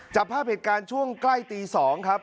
จับภาพเหตุการณ์ช่วงใกล้ตี๒ครับ